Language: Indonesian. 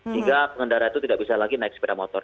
sehingga pengendara itu tidak bisa lagi naik sepeda motor